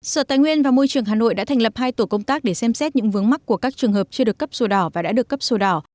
sở tài nguyên và môi trường hà nội đã thành lập hai tổ công tác để xem xét những vướng mắt của các trường hợp chưa được cấp sổ đỏ và đã được cấp sổ đỏ